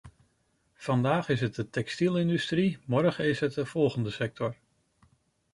Vandaag is het de textielindustrie, morgen is het de volgende sector.